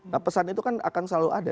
nah pesan itu kan akan selalu ada